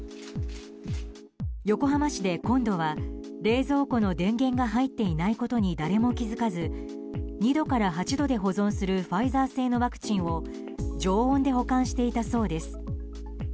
横浜市で、今度は冷蔵庫の電源が入っていないことに誰も気づかず２度から８度で保存するファイザー製のワクチンを常温で保管していたそうです。